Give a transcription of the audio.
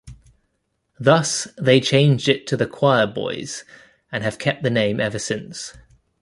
Thus they changed it to the Quireboys and have kept the name ever since.